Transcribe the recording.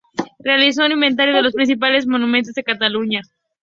Realizó un inventario de los principales monumentos de Cataluña.